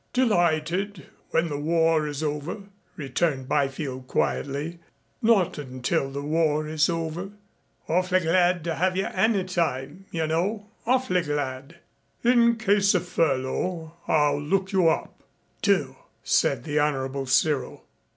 "Delighted. When the war is over," returned Byfield quietly. "Not until the war is over." "Awf'ly glad to have you any time, you know awf'ly glad." "In case of furlough I'll look you up." "Do," said the Honorable Cyril.